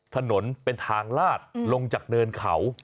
ถนนเป็นทางลาดลงจากเนินเขา